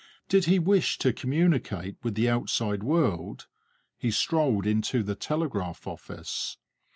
Did he wish to communicate with the outside world, he strolled into the telegraph office.